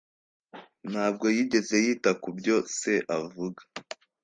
Ntabwo yigeze yita kubyo se avuga.